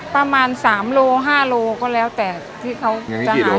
ประมาณสามโลหรีก็แล้วแต่ที่เขาจะหาให้เราได้